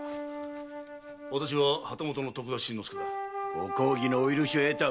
ご公儀のお許しは得た。